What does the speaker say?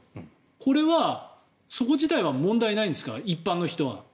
これは、そこ自体は問題ないんですか、一般の人は。